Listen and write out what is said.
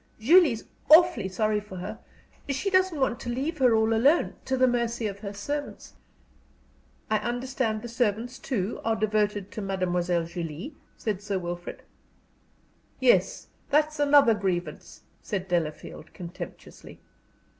Julie's awfully sorry for her. She doesn't want to leave her all alone to the mercy of her servants " "I understand the servants, too, are devoted to Mademoiselle Julie?" said Sir Wilfrid. "Yes, that's another grievance," said Delafield, contemptuously.